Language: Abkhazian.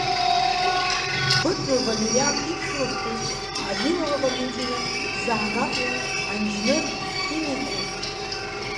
Быҭәба Валериан иԥшәмаԥҳәыс Авилова Валентина занааҭла анџьныр-химикуп.